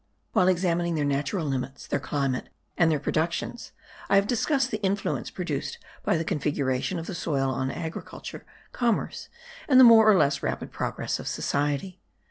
While examining their natural limits, their climate, and their productions, I have discussed the influence produced by the configuration of the soil on agriculture, commerce, and the more or less rapid progress of society.